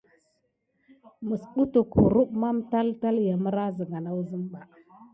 Misbukine kurum mantaki vas suck ya sane neke.